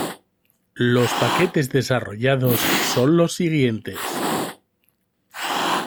Los paquetes desarrollados son los siguientes.